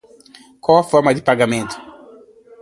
Qual a forma de pagamento.